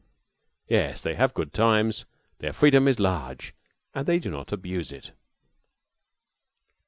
Yes, they have good times, their freedom is large, and they do not abuse it.